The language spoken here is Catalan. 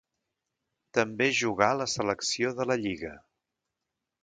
També jugà a la selecció de la lliga.